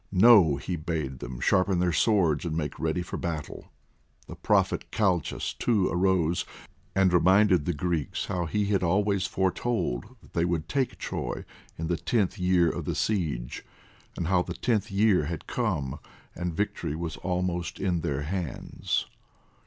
No! he bade them sharpen their swords, and make ready for battle. The prophet Calchas, too, arose and reminded the Greeks how he had always foretold that they would take Troy in the tenth year of the siege, and how the tenth year had come, and victory was almost in their hands.